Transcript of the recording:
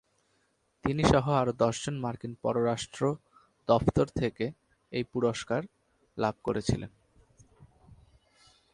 তিনিসহ আরো দশজন মার্কিন পররাষ্ট্র দফতর থেকে এই পুরস্কার লাভ করেছিলেন।